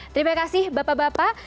terima kasih bapak bapak